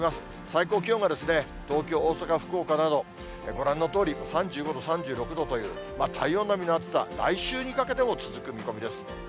最高気温が東京、大阪、福岡など、ご覧のとおり３５度、３６度という体温並みの暑さ、来週にかけても続く見込みです。